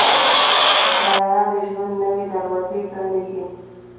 طیاره د ژوند نوې دروازې پرانیزي.